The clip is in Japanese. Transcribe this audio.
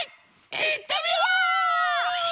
いってみよう！